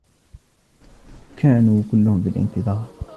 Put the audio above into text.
كانو كلهم في الانتظار.